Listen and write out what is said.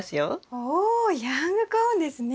おヤングコーンですね。